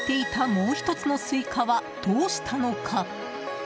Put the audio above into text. もう１つのスイカはどうしたのか。